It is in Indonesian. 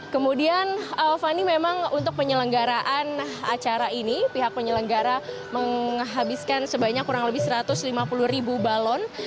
kemudian fani memang untuk penyelenggaraan acara ini pihak penyelenggara menghabiskan sebanyak kurang lebih satu ratus lima puluh ribu balon